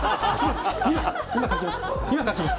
今、書きます。